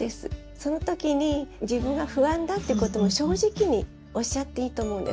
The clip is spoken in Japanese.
その時に自分が不安だってことも正直におっしゃっていいと思うんです。